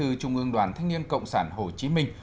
bàn bí thư trung ương đoàn thanh niên cộng sản hồ chí minh